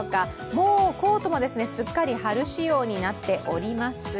もうコートもすっかり春仕様になっております。